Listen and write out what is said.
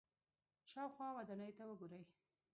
شاوخوا ودانیو ته وګورئ.